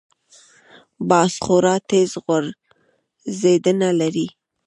باز خورا تېز غورځېدنه لري